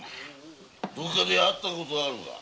どこかで会った事あるか？